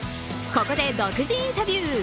ここで独自インタビュー